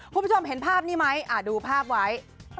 คุณผู้ชมเห็นภาพนี้ไหมดูภาพไว้